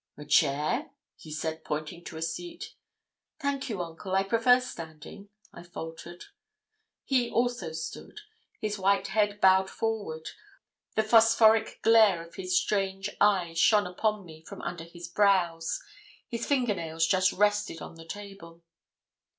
'A chair?' he said, pointing to a seat. 'Thank you, uncle, I prefer standing,' I faltered. He also stood his white head bowed forward, the phosphoric glare of his strange eyes shone upon me from under his brows his finger nails just rested on the table.